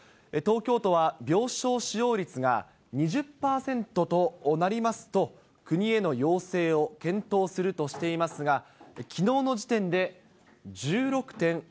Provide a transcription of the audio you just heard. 東京都は病床使用率が２０％となりますと、国への要請を検討するとしていますが、きのうの時点で１６．６％。